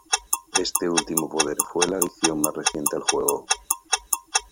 Este último poder fue la adición más reciente al juego.